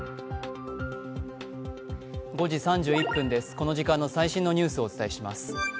この時間の最新のニュースをお伝えします。